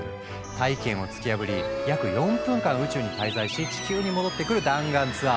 大気圏を突き破り約４分間宇宙に滞在し地球に戻ってくる弾丸ツアー。